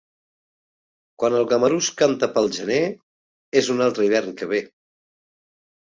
Quan el gamarús canta pel gener, és un altre hivern que ve.